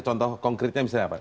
contoh konkretnya misalnya apa